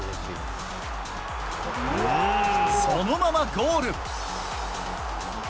そのままゴール。